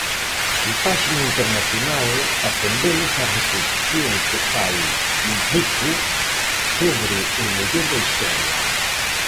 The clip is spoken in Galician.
En páxina internacional atendemos á reflexión que fai Zico sobre o mellor da historia.